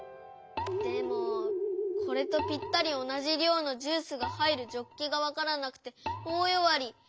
でもこれとぴったりおなじりょうのジュースが入るジョッキがわからなくておおよわり。